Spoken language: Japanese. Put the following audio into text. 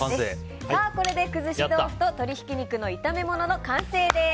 これで、くずし豆腐と鶏ひき肉の炒め物の完成です。